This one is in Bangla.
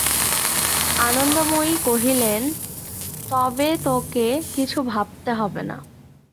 আনন্দময়ী কহিলেন, তবে তোকে কিছু ভাবতে হবে না।